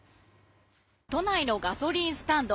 都内のガソリンスタンド。